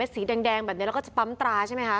สีแดงแบบนี้แล้วก็จะปั๊มตราใช่ไหมคะ